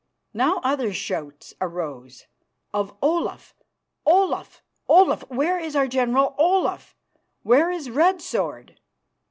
Now other shouts arose of "Olaf! Olaf! Olaf! Where is our General Olaf? Where is Red Sword?"